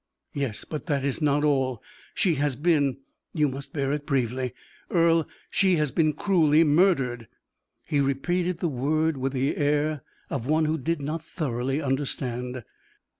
_" "Yes; but that is not all. She has been you must bear it bravely, Earle she has been cruelly murdered!" He repeated the word with the air of one who did not thoroughly understand.